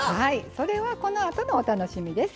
それはこのあとのお楽しみです。